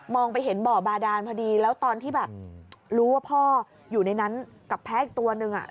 ไปเห็นบ่อบาดานพอดีแล้วตอนที่แบบรู้ว่าพ่ออยู่ในนั้นกับแพ้อีกตัวนึง